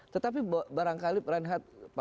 tetapi barangkali renhad